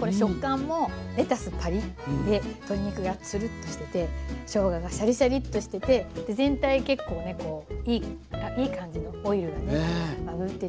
これ食感もレタスパリッで鶏肉がツルッとしててしょうががシャリシャリとしてて全体結構ねこういい感じのオイルがね出て。